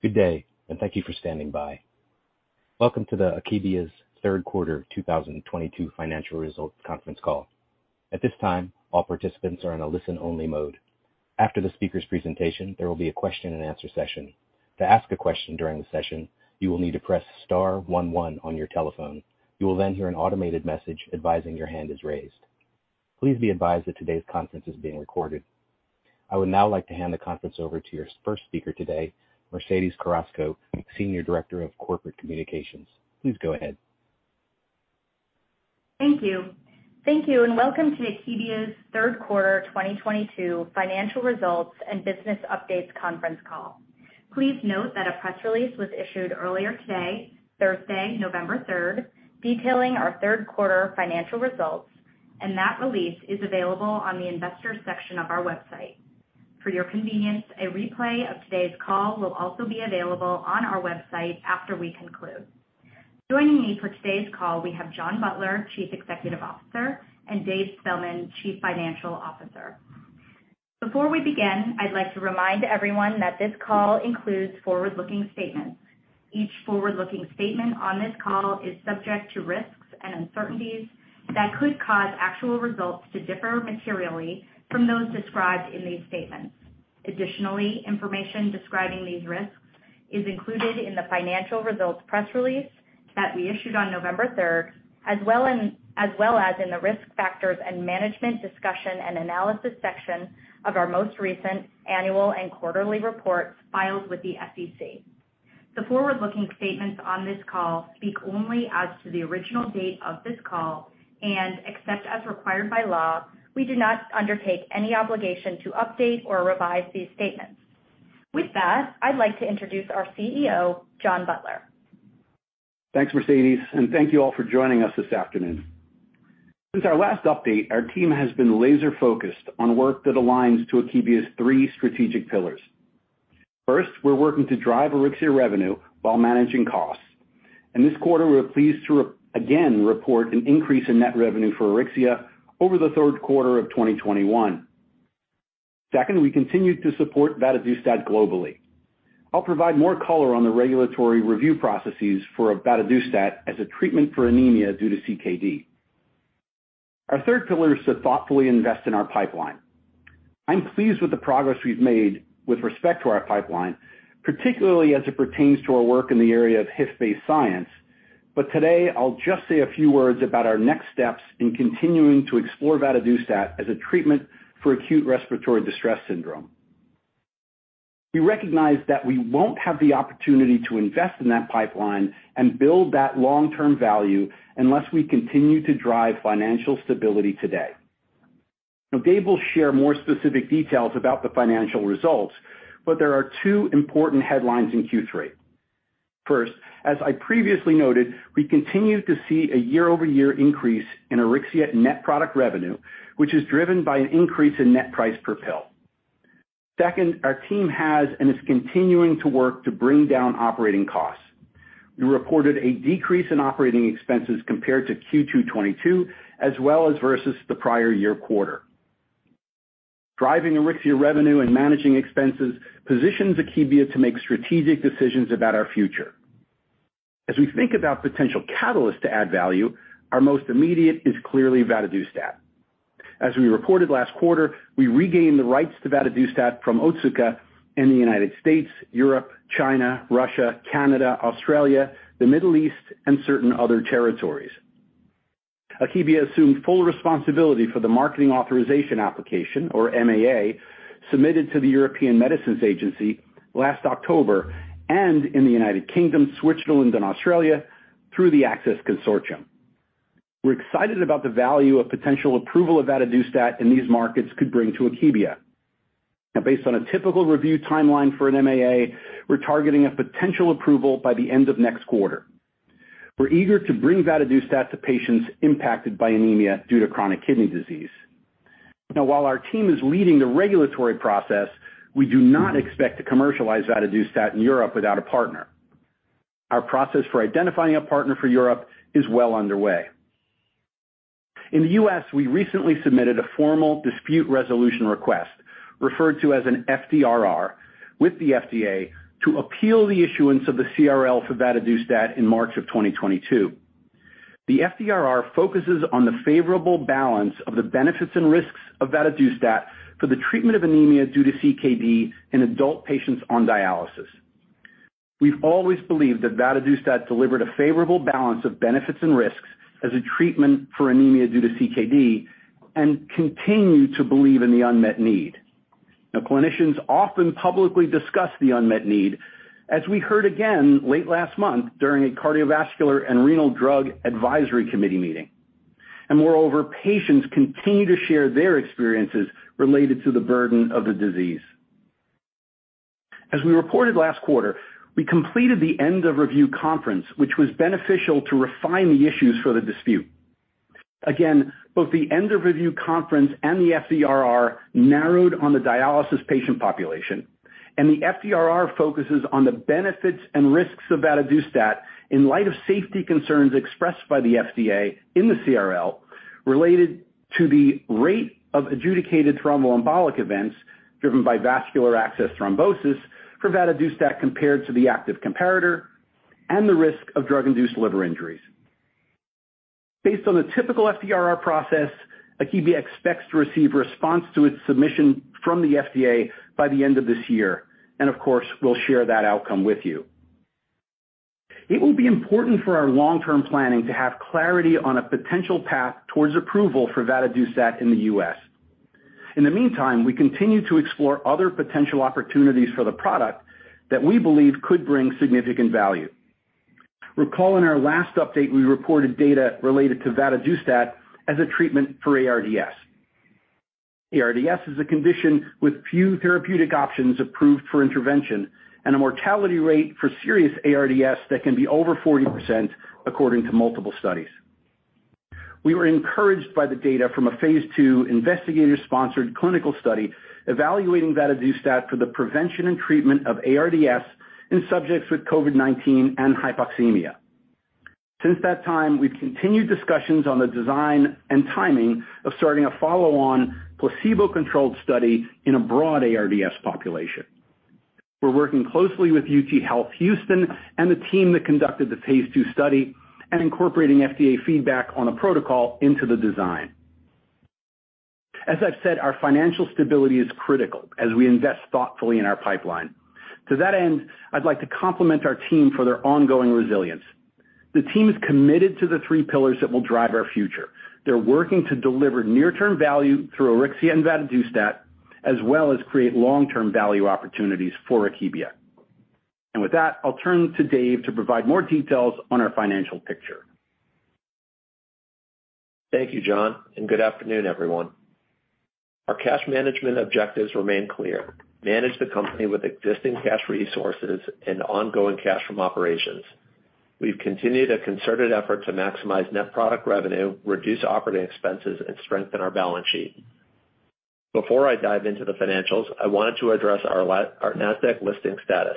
Good day, and thank you for standing by. Welcome to the Akebia's third quarter 2022 financial results conference call. At this time, all participants are in a listen-only mode. After the speaker's presentation, there will be a question-and-answer session. To ask a question during the session, you will need to press star one one on your telephone. You will then hear an automated message advising your hand is raised. Please be advised that today's conference is being recorded. I would now like to hand the conference over to your first speaker today, Mercedes Carrasco, Senior Director of Corporate Communications. Please go ahead. Thank you. Thank you, and welcome to Akebia's third quarter 2022 financial results and business updates conference call. Please note that a press release was issued earlier today, Thursday, November 3rd, detailing our third quarter financial results, and that release is available on the investors section of our website. For your convenience, a replay of today's call will also be available on our website after we conclude. Joining me for today's call, we have John Butler, Chief Executive Officer, and Dave Spellman, Chief Financial Officer. Before we begin, I'd like to remind everyone that this call includes forward-looking statements. Each forward-looking statement on this call is subject to risks and uncertainties that could cause actual results to differ materially from those described in these statements. Additionally, information describing these risks is included in the financial results press release that we issued on November third, as well as in the Risk Factors and Management Discussion and Analysis section of our most recent annual and quarterly reports filed with the SEC. The forward-looking statements on this call speak only as to the original date of this call, and except as required by law, we do not undertake any obligation to update or revise these statements. With that, I'd like to introduce our CEO, John Butler. Thanks, Mercedes, and thank you all for joining us this afternoon. Since our last update, our team has been laser-focused on work that aligns to Akebia's three strategic pillars. First, we're working to drive Auryxia revenue while managing costs. In this quarter, we're pleased to again report an increase in net revenue for Auryxia over the third quarter of 2021. Second, we continue to support vadadustat globally. I'll provide more color on the regulatory review processes for vadadustat as a treatment for anemia due to CKD. Our third pillar is to thoughtfully invest in our pipeline. I'm pleased with the progress we've made with respect to our pipeline, particularly as it pertains to our work in the area of HIF-based science. Today, I'll just say a few words about our next steps in continuing to explore vadadustat as a treatment for acute respiratory distress syndrome. We recognize that we won't have the opportunity to invest in that pipeline and build that long-term value unless we continue to drive financial stability today. Now Dave will share more specific details about the financial results, but there are two important headlines in Q3. First, as I previously noted, we continue to see a year-over-year increase in Auryxia net product revenue, which is driven by an increase in net price per pill. Second, our team has and is continuing to work to bring down operating costs. We reported a decrease in operating expenses compared to Q2 2022 as well as versus the prior year quarter. Driving Auryxia revenue and managing expenses positions Akebia to make strategic decisions about our future. As we think about potential catalysts to add value, our most immediate is clearly vadadustat. As we reported last quarter, we regained the rights to vadadustat from Otsuka in the United States, Europe, China, Russia, Canada, Australia, the Middle East, and certain other territories. Akebia assumed full responsibility for the marketing authorization application, or MAA, submitted to the European Medicines Agency last October and in the United Kingdom, Switzerland, and Australia through the Access Consortium. We're excited about the value of potential approval of vadadustat in these markets could bring to Akebia. Now based on a typical review timeline for an MAA, we're targeting a potential approval by the end of next quarter. We're eager to bring vadadustat to patients impacted by anemia due to chronic kidney disease. Now while our team is leading the regulatory process, we do not expect to commercialize vadadustat in Europe without a partner. Our process for identifying a partner for Europe is well underway. In the U.S., we recently submitted a formal dispute resolution request, referred to as an FDRR, with the FDA to appeal the issuance of the CRL for vadadustat in March of 2022. The FDRR focuses on the favorable balance of the benefits and risks of vadadustat for the treatment of anemia due to CKD in adult patients on dialysis. We've always believed that vadadustat delivered a favorable balance of benefits and risks as a treatment for anemia due to CKD, and continue to believe in the unmet need. Now clinicians often publicly discuss the unmet need, as we heard again late last month during a cardiovascular and renal drug advisory committee meeting. Moreover, patients continue to share their experiences related to the burden of the disease. As we reported last quarter, we completed the end-of-review conference, which was beneficial to refine the issues for the dispute. Again, both the end-of-review conference and the FDRR narrowed on the dialysis patient population, and the FDRR focuses on the benefits and risks of vadadustat in light of safety concerns expressed by the FDA in the CRL. Related to the rate of adjudicated thromboembolic events driven by vascular access thrombosis for vadadustat compared to the active comparator, and the risk of drug-induced liver injuries. Based on the typical FDRR process, Akebia expects to receive response to its submission from the FDA by the end of this year. Of course, we'll share that outcome with you. It will be important for our long-term planning to have clarity on a potential path towards approval for vadadustat in the U.S. In the meantime, we continue to explore other potential opportunities for the product that we believe could bring significant value. Recall in our last update, we reported data related to vadadustat as a treatment for ARDS. ARDS is a condition with few therapeutic options approved for intervention and a mortality rate for serious ARDS that can be over 40% according to multiple studies. We were encouraged by the data from a phase II investigator-sponsored clinical study evaluating vadadustat for the prevention and treatment of ARDS in subjects with COVID-19 and hypoxemia. Since that time, we've continued discussions on the design and timing of starting a follow-on placebo-controlled study in a broad ARDS population. We're working closely with UTHealth Houston and the team that conducted the phase II study and incorporating FDA feedback on a protocol into the design. As I've said, our financial stability is critical as we invest thoughtfully in our pipeline. To that end, I'd like to compliment our team for their ongoing resilience. The team is committed to the three pillars that will drive our future. They're working to deliver near-term value through Auryxia and vadadustat, as well as create long-term value opportunities for Akebia. With that, I'll turn to Dave to provide more details on our financial picture. Thank you, John, and good afternoon, everyone. Our cash management objectives remain clear. Manage the company with existing cash resources and ongoing cash from operations. We've continued a concerted effort to maximize net product revenue, reduce operating expenses, and strengthen our balance sheet. Before I dive into the financials, I wanted to address our Nasdaq listing status.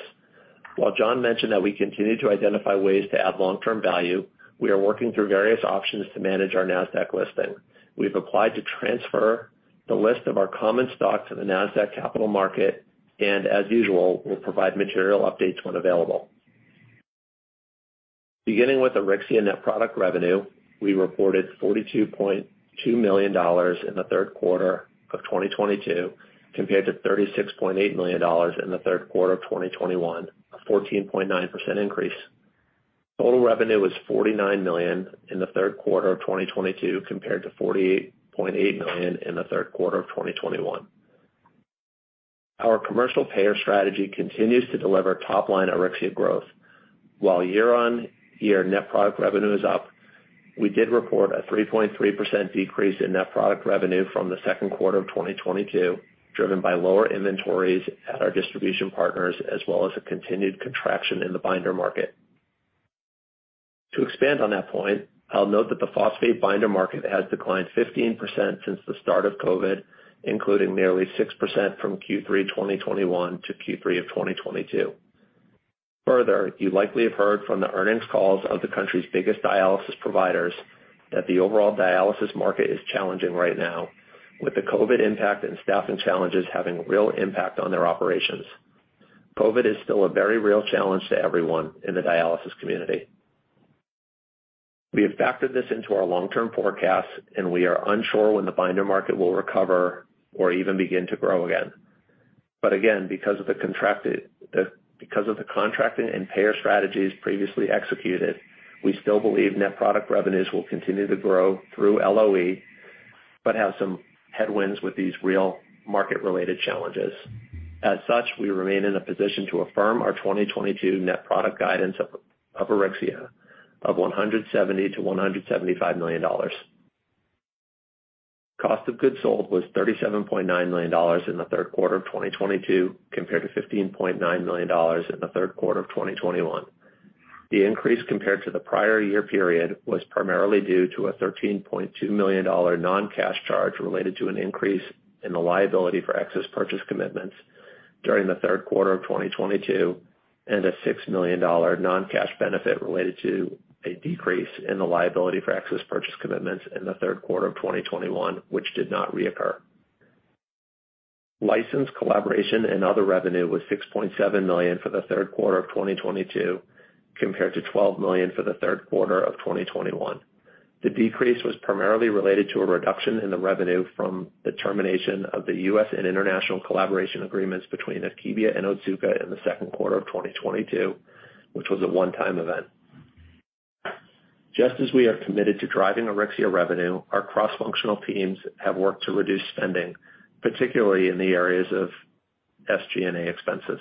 While John mentioned that we continue to identify ways to add long-term value, we are working through various options to manage our Nasdaq listing. We've applied to transfer the listing of our common stock to the Nasdaq Capital Market, and as usual, we'll provide material updates when available. Beginning with Auryxia net product revenue, we reported $42.2 million in the third quarter of 2022 compared to $36.8 million in the third quarter of 2021. A 14.9% increase. Total revenue was $49 million in the third quarter of 2022 compared to $48.8 million in the third quarter of 2021. Our commercial payer strategy continues to deliver top-line Auryxia growth. While year-on-year net product revenue is up, we did report a 3.3% decrease in net product revenue from the second quarter of 2022, driven by lower inventories at our distribution partners as well as a continued contraction in the binder market. To expand on that point, I'll note that the phosphate binder market has declined 15% since the start of COVID, including nearly 6% from Q3 2021 to Q3 of 2022. Further, you likely have heard from the earnings calls of the country's biggest dialysis providers that the overall dialysis market is challenging right now, with the COVID impact and staffing challenges having real impact on their operations. COVID is still a very real challenge to everyone in the dialysis community. We have factored this into our long-term forecasts, and we are unsure when the binder market will recover or even begin to grow again. But again, because of the contracting and payer strategies previously executed, we still believe net product revenues will continue to grow through LOE, but have some headwinds with these real market-related challenges. As such, we remain in a position to affirm our 2022 net product guidance of Auryxia of $170 million-$175 million. Cost of goods sold was $37.9 million in the third quarter of 2022, compared to $15.9 million in the third quarter of 2021. The increase compared to the prior year period was primarily due to a $13.2 million non-cash charge related to an increase in the liability for excess purchase commitments during the third quarter of 2022, and a $6 million non-cash benefit related to a decrease in the liability for excess purchase commitments in the third quarter of 2021, which did not reoccur. License collaboration and other revenue was $6.7 million for the third quarter of 2022, compared to $12 million for the third quarter of 2021. The decrease was primarily related to a reduction in the revenue from the termination of the U.S. and international collaboration agreements between Akebia and Otsuka in the second quarter of 2022, which was a one-time event. Just as we are committed to driving Auryxia revenue, our cross-functional teams have worked to reduce spending, particularly in the areas of SG&A expenses.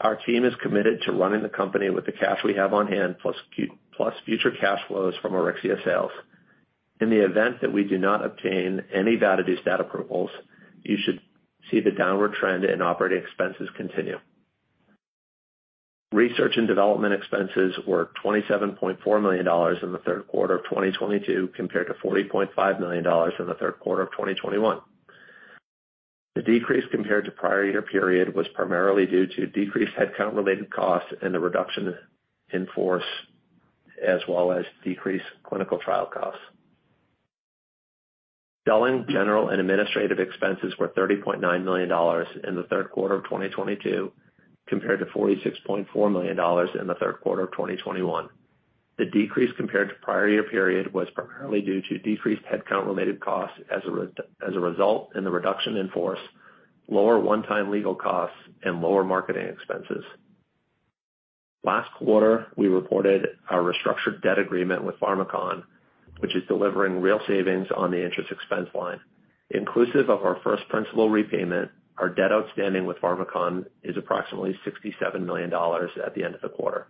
Our team is committed to running the company with the cash we have on hand, plus future cash flows from Auryxia sales. In the event that we do not obtain any vadadustat approvals, you should see the downward trend in operating expenses continue. Research and development expenses were $27.4 million in the third quarter of 2022, compared to $40.5 million in the third quarter of 2021. The decrease compared to prior year period was primarily due to decreased headcount-related costs and the reduction in force, as well as decreased clinical trial costs. Selling, general, and administrative expenses were $30.9 million in the third quarter of 2022, compared to $46.4 million in the third quarter of 2021. The decrease compared to prior year period was primarily due to decreased headcount-related costs as a result of the reduction in force, lower one-time legal costs and lower marketing expenses. Last quarter, we reported our restructured debt agreement with Pharmakon, which is delivering real savings on the interest expense line. Inclusive of our first principal repayment, our debt outstanding with Pharmakon is approximately $67 million at the end of the quarter.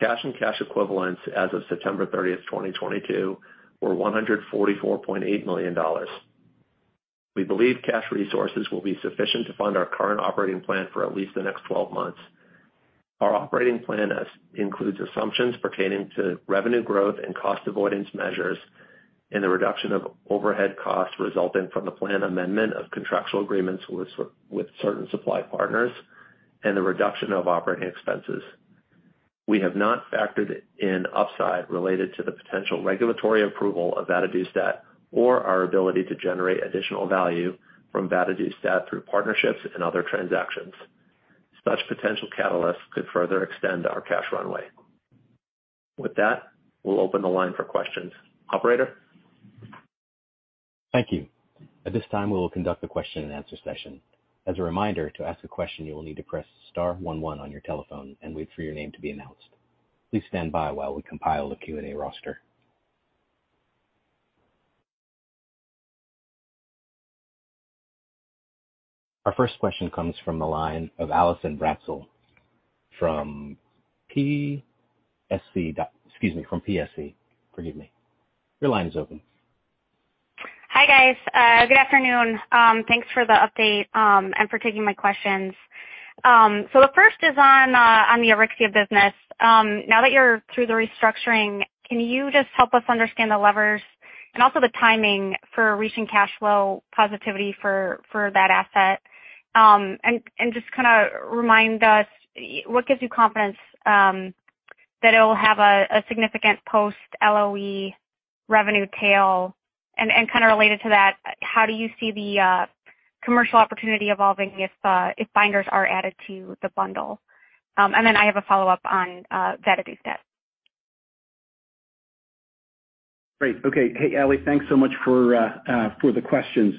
Cash and cash equivalents as of September 30, 2022 were $144.8 million. We believe cash resources will be sufficient to fund our current operating plan for at least the next 12 months. Our operating plan includes assumptions pertaining to revenue growth and cost avoidance measures in the reduction of overhead costs resulting from the planned amendment of contractual agreements with certain supply partners and the reduction of operating expenses. We have not factored in upside related to the potential regulatory approval of vadadustat or our ability to generate additional value from vadadustat through partnerships and other transactions. Such potential catalysts could further extend our cash runway. With that, we'll open the line for questions. Operator? Thank you. At this time, we will conduct a question-and-answer session. As a reminder, to ask a question, you will need to press star one one on your telephone and wait for your name to be announced. Please stand by while we compile a Q&A roster. Our first question comes from the line of Allison Bratzel from Piper Sandler. Your line is open. Hi, guys. Good afternoon. Thanks for the update and for taking my questions. The first is on the Auryxia business. Now that you're through the restructuring, can you just help us understand the levers and also the timing for reaching cash flow positivity for that asset? Just kinda remind us what gives you confidence that it'll have a significant post LOE revenue tail. Kinda related to that, how do you see the commercial opportunity evolving if binders are added to the bundle? I have a follow-up on vadadustat. Great. Okay. Hey, Allison, thanks so much for the questions.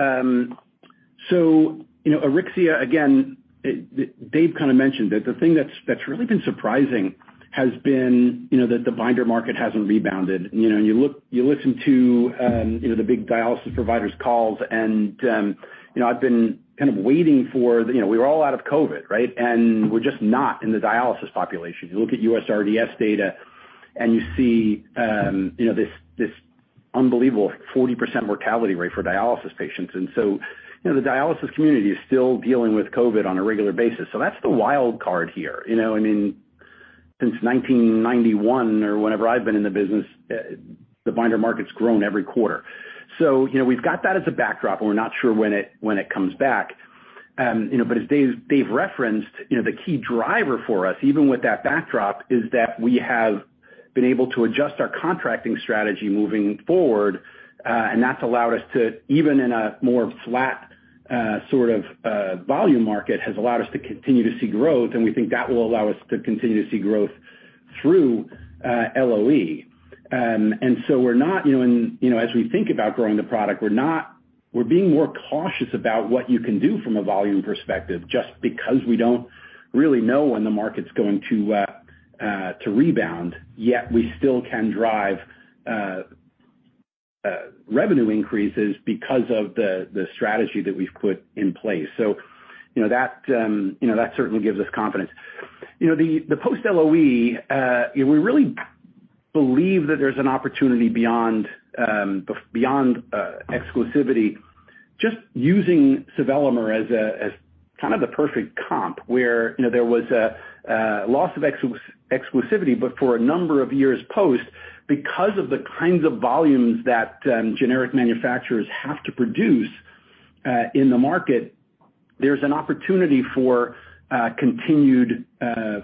Auryxia, again, Dave kinda mentioned that the thing that's really been surprising has been, that the binder market hasn't rebounded. You listen to the big dialysis providers calls, and I've been kind of waiting for, you know, we're all out of COVID, right? We're just not in the dialysis population. You look at USRDS data, and you see this unbelievable 40% mortality rate for dialysis patients. The dialysis community is still dealing with COVID on a regular basis. That's the wild card here. What I mean, since 1991 or whenever I've been in the business, the binder market's grown every quarter. We've got that as a backdrop, and we're not sure when it comes back. As Dave referenced, the key driver for us, even with that backdrop, is that we have been able to adjust our contracting strategy moving forward, and that's allowed us to even in a more flat sort of volume market continue to see growth, and we think that will allow us to continue to see growth through LOE. As we think about growing the product, we're being more cautious about what you can do from a volume perspective just because we don't really know when the market's going to rebound, yet we still can drive revenue increases because of the strategy that we've put in place. That certainly gives us confidence. The post LOE, we really believe that there's an opportunity beyond exclusivity just using Sevelamer as kind of the perfect comp, where there was a loss of exclusivity, but for a number of years post, because of the kinds of volumes that generic manufacturers have to produce in the market, there's an opportunity for continued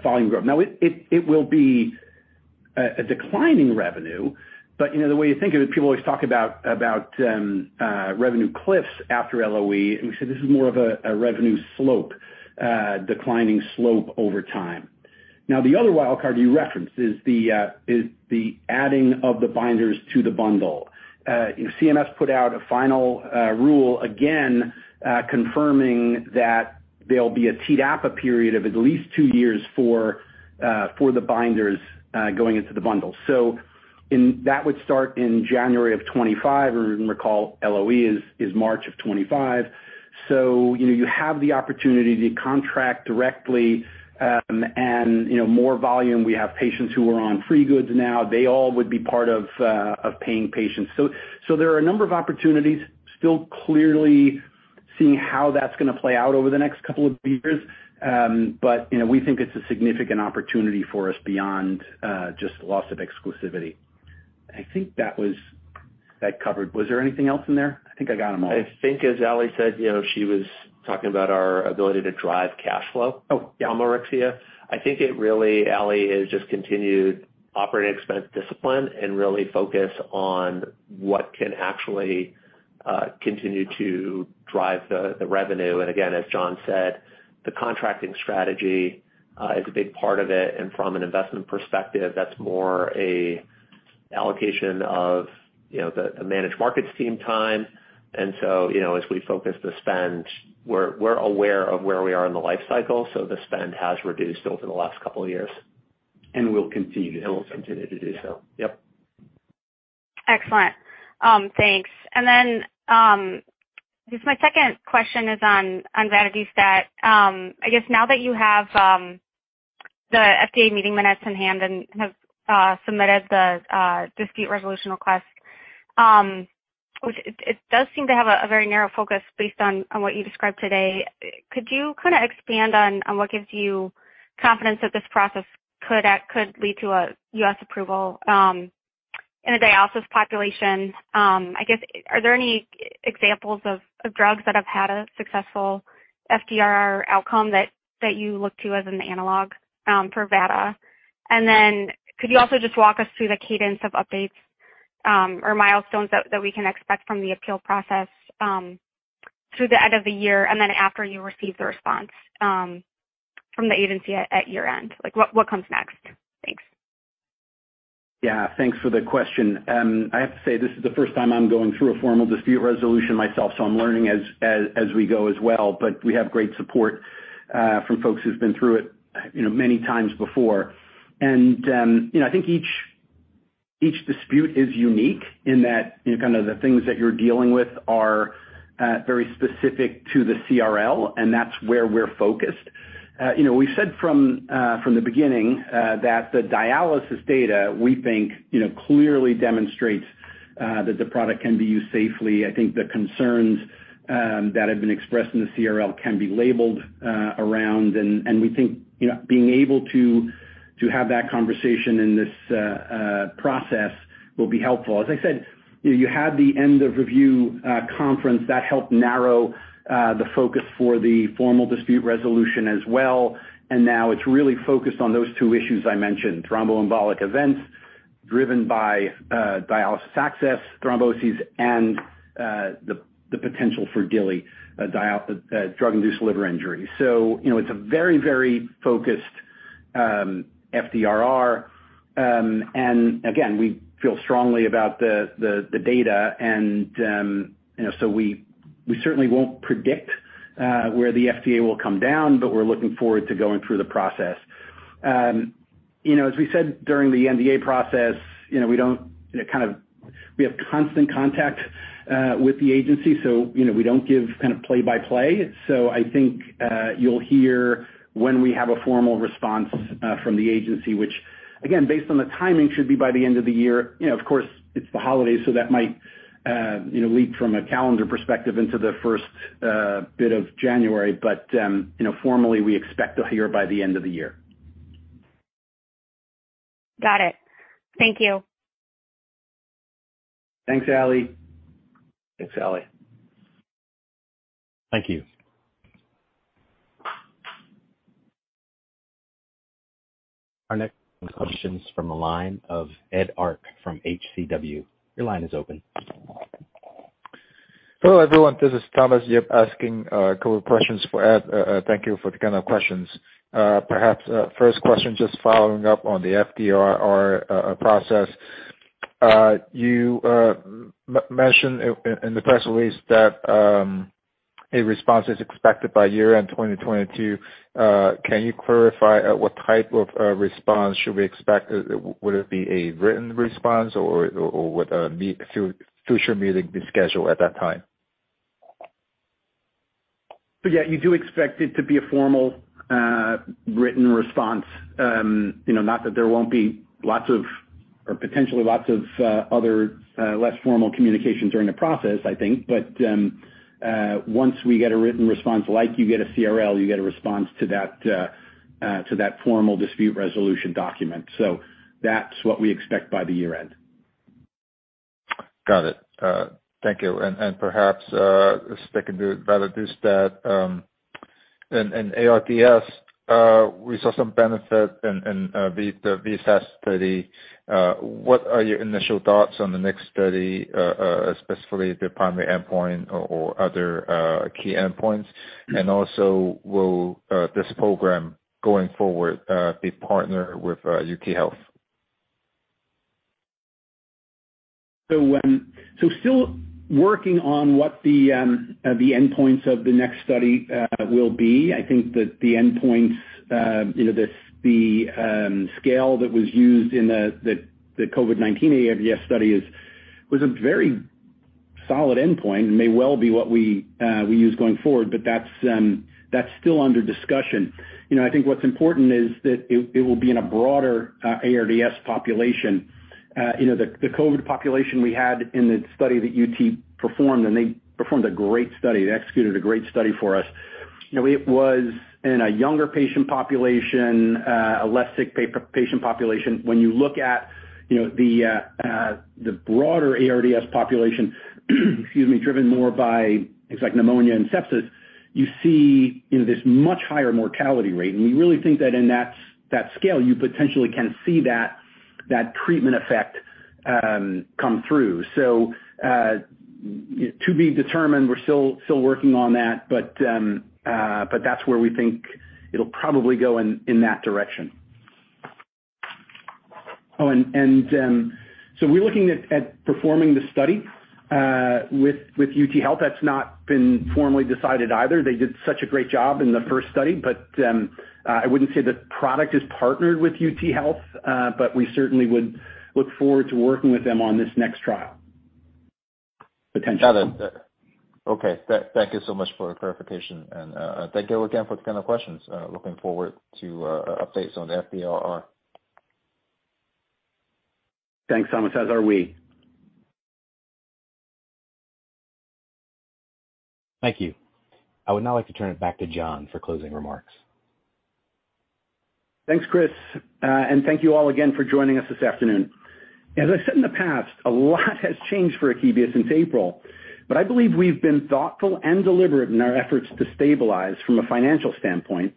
volume growth. Now, it will be a declining revenue, but the way you think of it, people always talk about revenue cliffs after LOE, and we say this is more of a revenue slope, declining slope over time. Now, the other wild card you referenced is the adding of the binders to the bundle. CMS put out a final rule again, confirming that there'll be a TDAPA period of at least two years for the binders going into the bundle. That would start in January of 2025. Everyone, recall LOE is March of 2025. You have the opportunity to contract directly and more volume. We have patients who are on free goods now. They all would be part of paying patients. There are a number of opportunities still, clearly seeing how that's gonna play out over the next couple of years. We think it's a significant opportunity for us beyond just loss of exclusivity. I think that covered. Was there anything else in there? I think I got them all. I think as Allison said she was talking about our ability to drive cash flow. Oh. Yeah, Auryxia. I think it really, Allison, is just continued operating expense discipline and really focus on what can actually continue to drive the revenue. Again, as John said, the contracting strategy is a big part of it. From an investment perspective, that's more an allocation of a managed markets team time. As we focus the spend, we're aware of where we are in the life cycle, so the spend has reduced over the last couple of years. Will continue. Will continue to do so. Excellent. Thanks. I guess my second question is on vadadustat. I guess now that you have the FDA meeting minutes in hand and have submitted the dispute resolution request, which does seem to have a very narrow focus based on what you described today. Could you kinda expand on what gives you confidence that this process could lead to a U.S. approval in a dialysis population? I guess, are there any examples of drugs that have had a successful FDRR outcome that you look to as an analog for vadadustat? Could you also just walk us through the cadence of updates or milestones that we can expect from the appeal process through the end of the year and then after you receive the response from the agency at year-end? Like, what comes next? Thanks. Yeah. Thanks for the question. I have to say, this is the first time I'm going through a formal dispute resolution myself, so I'm learning as we go as well. We have great support from folks who've been through it many times before. I think each dispute is unique in that kind of the things that you're dealing with are very specific to the CRL, and that's where we're focused. We've said from the beginning that the dialysis data, we think, clearly demonstrates that the product can be used safely. I think the concerns that have been expressed in the CRL can be labeled around. We think being able to have that conversation in this process will be helpful. As I said you had the end of review conference that helped narrow the focus for the formal dispute resolution as well. Now it's really focused on those two issues I mentioned, thromboembolic events driven by dialysis access thromboses and the potential for DILI, drug-induced liver injury. It's a very focused FDRR. Again, we feel strongly about the data and so we certainly won't predict where the FDA will come down, but we're looking forward to going through the process. As we said during the NDA process we have constant contact with the agency, so we don't give kind of play-by-play. I think you'll hear when we have a formal response from the agency, which again, based on the timing, should be by the end of the year. Of course, it's the holidays, so that might leak from a calendar perspective into the first bit of January. Formally, we expect to hear by the end of the year. Got it. Thank you. Thanks, Allison. Thanks, Allison. Thank you. Our next question's from the line of Ed Arce from H.C. Wainwright & Co. Your line is open. Hello, everyone. This is Thomas Yip asking a couple of questions for Ed. Thank you for the kind questions. Perhaps first question, just following up on the FDRR process. You mentioned in the press release that a response is expected by year-end 2022. Can you clarify what type of a response should we expect? Would it be a written response or would a future meeting be scheduled at that time? Yeah, you do expect it to be a formal, written response. Not that there won't be lots of or potentially lots of, other, less formal communications during the process, I think. Once we get a written response, like you get a CRL, you get a response to that formal dispute resolution document. That's what we expect by the year-end. Got it. Thank you. Perhaps sticking to vadadustat in ARDS, we saw some benefit in the VSTAT study. What are your initial thoughts on the next study, specifically the primary endpoint or other key endpoints? Also, will this program going forward be partnered with UTHealth? Still working on what the endpoints of the next study will be. I think that the endpoints, the scale that was used in the COVID-19 ARDS study was a very solid endpoint and may well be what we use going forward, but that's still under discussion. I think what's important is that it will be in a broader ARDS population. The COVID population we had in the study that UT performed, and they performed a great study. They executed a great study for us. No, it was in a younger patient population, a less sick patient population. When you look at the broader ARDS population is driven more by things like pneumonia and sepsis, you see this much higher mortality rate. We really think that in that scale, you potentially can see that treatment effect come through. To be determined, we're still working on that, but that's where we think it'll probably go in that direction. Oh, and so we're looking at performing the study with UTHealth. That's not been formally decided either. They did such a great job in the first study, but I wouldn't say the product is partnered with UTHealth, but we certainly would look forward to working with them on this next trial, potentially. Got it. Okay. Thank you so much for the clarification, and thank you again for the kind of questions. Looking forward to updates on the FDRR. Thanks so much. As are we. Thank you. I would now like to turn it back to John for closing remarks. Thanks, Chris, and thank you all again for joining us this afternoon. As I said in the past, a lot has changed for Akebia since April, but I believe we've been thoughtful and deliberate in our efforts to stabilize from a financial standpoint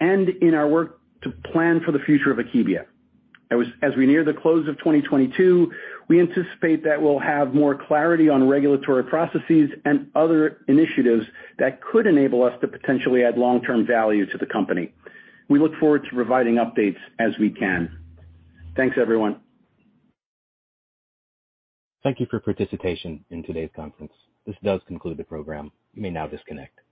and in our work to plan for the future of Akebia. As we near the close of 2022, we anticipate that we'll have more clarity on regulatory processes and other initiatives that could enable us to potentially add long-term value to the company. We look forward to providing updates as we can. Thanks, everyone. Thank you for participation in today's conference. This does conclude the program. You may now disconnect.